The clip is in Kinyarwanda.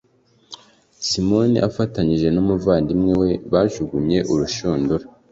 simoni afatanyije n’umuvandimwe we bajugunye urushundura